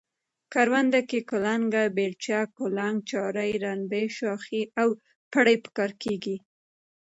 کرونده کې کلنگه، بیلچه، کولنگ، چارۍ، رنبی، شاخۍ او پړی په کاریږي.